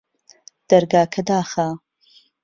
دەرگاکە داخە